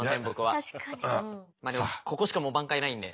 まあでもここしかもう挽回ないんで。